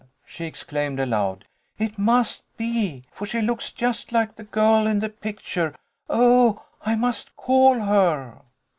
she exclaimed aloud. " It must be, for she looks just like the girl in the picture. Oh, I must call her